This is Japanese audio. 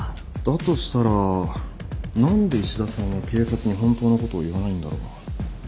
だとしたら何で石田さんは警察に本当のことを言わないんだろう？